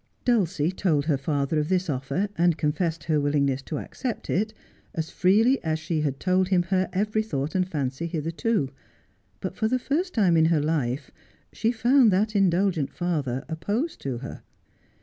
Dulcie told her father of this offer, and confessed her willing ness to accept it, as freely as she had told him her every thought and fancy hitherto ; but for the first time in her life she found that indulgent father opposed to her.